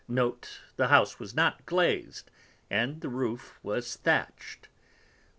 Note, the House was not glazed, and the Roof was thatch'd. 4.